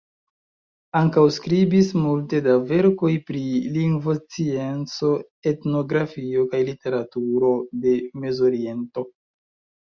Ankaŭ skribis multe da verkoj pri lingvoscienco, etnografio, kaj literaturo de Mezoriento.